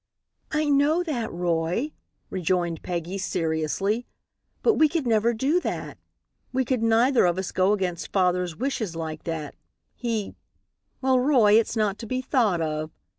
"I know that, Roy," rejoined Peggy, seriously, "but we could never do that. We could neither of us go against father's wishes like that. He well, Roy, it's not to be thought of.